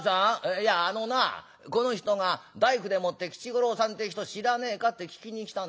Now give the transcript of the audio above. いやあのなこの人が大工でもって吉五郎さんって人知らねえかって聞きに来たんだ。